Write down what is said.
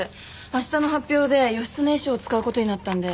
明日の発表で義経衣装使う事になったんで。